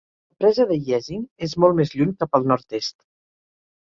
La presa de Yezin és molt més lluny cap al nord-est.